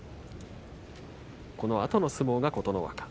このあとの相撲が琴ノ若。